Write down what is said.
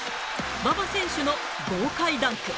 馬場選手の豪快ダンク。